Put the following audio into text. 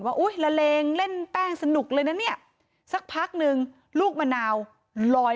อุ๊ยละเลงเล่นแป้งสนุกเลยนะเนี่ยสักพักนึงลูกมะนาวลอย